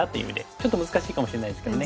ちょっと難しいかもしれないですけどね。